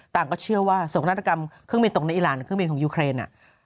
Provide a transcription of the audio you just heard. ก็เชื่อว่าโศกนาฏกรรมเครื่องบินตกในอีรานเครื่องบินของยูเครน